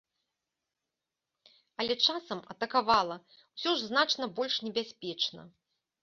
Але часам атакавала ўсё ж значна больш небяспечна.